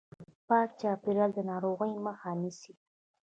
پاک چاپیریال د ناروغیو مخه نیسي.